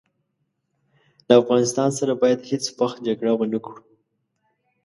له افغانستان سره باید هیڅ وخت جګړه ونه کړو.